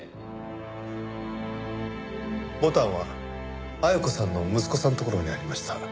ボタンは絢子さんの息子さんの所にありました。